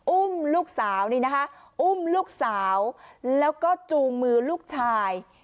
อุ้มลูกสาวนี่นะคะอุ้มลูกสาวแล้วก็จูงมือลูกชาย